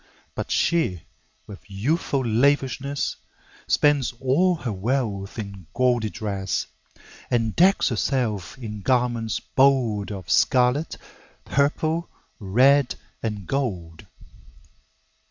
But she, with youthful lavishness, Spends all her wealth in gaudy dress, And decks herself in garments bold Of scarlet, purple, red, and gold.